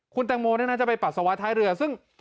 คุณแตงโมเนี้ยน่าจะไปปัสสาวะท้ายเรือซึ่ง